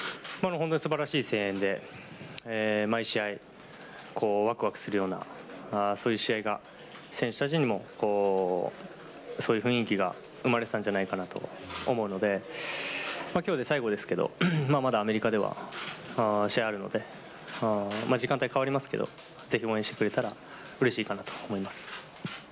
本当に素晴らしい声援で毎試合、ワクワクするようなそういう試合が選手たちにもそういう雰囲気が生まれたんじゃないかと思うので今日で最後ですけどまだアメリカでは試合があるので時間帯は変わりますけどぜひ応援してくれたらうれしいかなと思います。